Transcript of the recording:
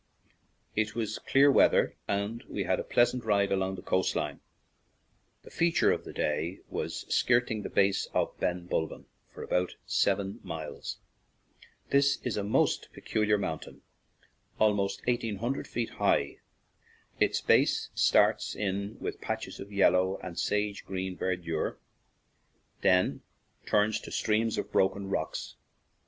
It was clear weather and we had a pleas ant ride along the coast line. The feature of the day was skirting the base of Ben bulbin for about seven miles. This is a most peculiar mountain, almost eighteen hundred feet high. Its base starts in with patches of yellow and sage green verdure, then turns to streams of broken rocks.